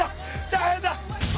大変だ！